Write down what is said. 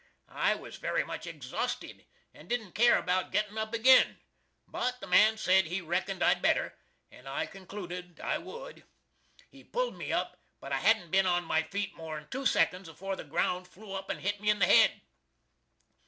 I was very much exhaustid and didn't care about gettin up agin, but the man sed he reckoned I'd better, and I conclooded I would. He pulled me up, but I hadn't bin on my feet more'n two seconds afore the ground flew up and hit me in the hed.